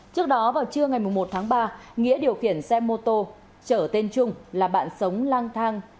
trước đó vào trưa ngày một tháng ba nghĩa điều khiển xe mô tô trở tên trung là bạn sống lang thang